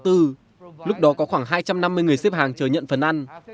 tháng bốn lúc đó có khoảng hai trăm năm mươi người xếp hàng chờ nhận phần ăn